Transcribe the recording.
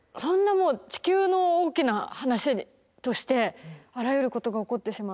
もう地球の大きな話としてあらゆることが起こってしまう。